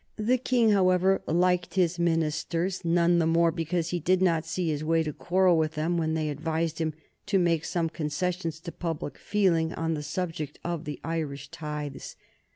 The King, however, liked his ministers none the more because he did not see his way to quarrel with them when they advised him to make some concessions to public feeling on the subject of the Irish tithes.